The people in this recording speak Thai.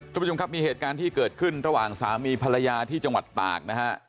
คุณผู้ชมครับมีเหตุการณ์ที่เกิดขึ้นระหว่างสามีภรรยาที่จังหวัดตากนะฮะ